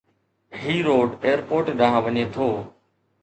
هي road airport ڏانهن وڃي ٿو